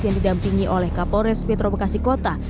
yang didampingi oleh kapolres metro bekasi kota